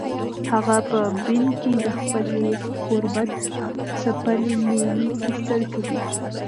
هغه په بن کې د خپلې غربت ځپلې مېنې کیسه کوي.